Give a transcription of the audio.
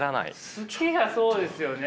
好きがそうですよね